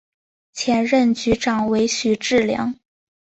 前任局长为许志梁。